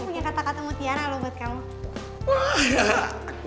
aku punya kata kata mu tiara loh buat kamu